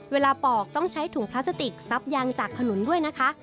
ปอกต้องใช้ถุงพลาสติกซับยางจากถนนด้วยนะคะ